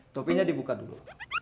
topinya dibuka dulu